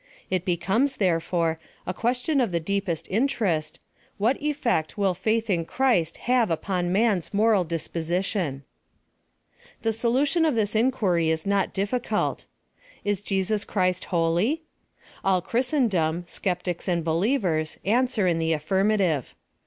It becomes, therefore, a question of the deepest interest — What effect will faith in Christ have upon man's moral disposition ? The solution of this inquiry is not difficult, h Jesus Christ holy ? All Christendom, skeptics and believers, answer in the affirmative.